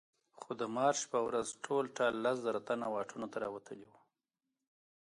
خو د مارش په ورځ ټول ټال لس زره تنه واټونو ته راوتلي وو.